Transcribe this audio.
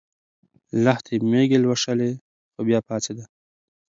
لښتې مېږې لوشلې خو بیا پاڅېده.